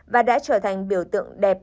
và đã trở thành biểu tượng đẹp